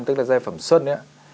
tức là giai phẩm xuân